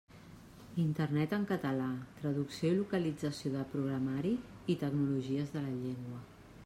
Internet en català, Traducció i localització de programari i Tecnologies de la llengua.